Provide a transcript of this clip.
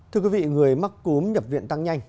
thưa quý vị người mắc cúm nhập viện tăng nhanh